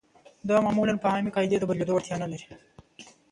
دا معمولاً په عامې قاعدې د بدلېدو وړتیا نلري.